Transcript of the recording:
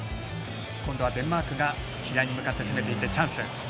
今度はデンマークが左に向かって攻めていって、チャンス。